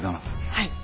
はい！